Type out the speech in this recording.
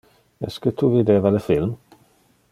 Esque tu videva le film.